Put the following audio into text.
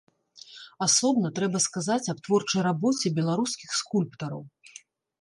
Асобна трэба сказаць аб творчай рабоце беларускіх скульптараў.